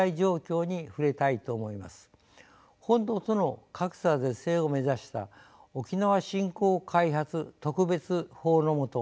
本土との格差是正を目指した沖縄振興開発特別法の下